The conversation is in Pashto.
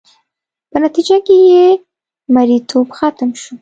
په نتیجه کې یې مریتوب ختم شو.